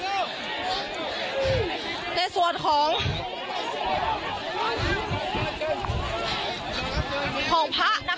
พระบุว่าจะมารับคนให้เดินทางเข้าไปในวัดพระธรรมกาลนะคะ